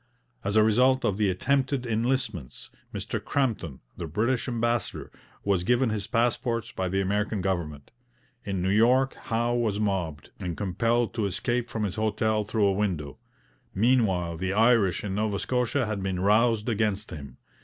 As a result of the attempted enlistments, Mr Crampton, the British ambassador, was given his passports by the American government; in New York Howe was mobbed, and compelled to escape from his hotel through a window. Meanwhile, the Irish in Nova Scotia had been roused against him.